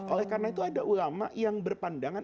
oleh karena itu ada ulama yang berpandangan